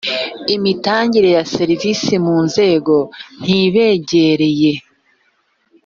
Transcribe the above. imitangire ya serivisi mu nzego ntibegereye